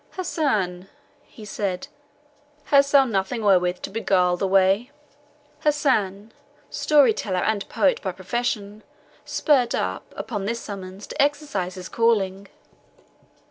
"Hassan," he said, "hast thou nothing wherewith to beguile the way?" Hassan, story teller and poet by profession, spurred up, upon this summons, to exercise his calling.